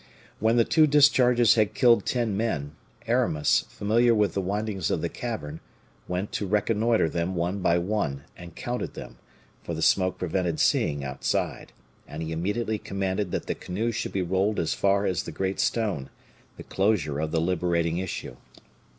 When the two discharges had killed ten men, Aramis, familiar with the windings of the cavern, went to reconnoiter them one by one, and counted them, for the smoke prevented seeing outside; and he immediately commanded that the canoe should be rolled as far as the great stone, the closure of the liberating issue.